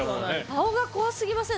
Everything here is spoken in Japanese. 顔が怖すぎません？